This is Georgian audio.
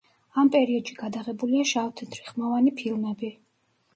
ამ პერიოდში გადაღებულია შავ-თეთრი, ხმოვანი ფილმები.